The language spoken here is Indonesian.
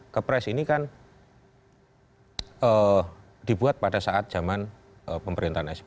kepres ini kan dibuat pada saat zaman pemerintahan sp